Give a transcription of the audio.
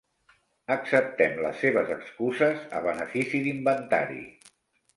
Acceptem les seves excuses a benefici d'inventari.